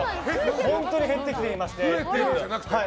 本当に減ってきていまして。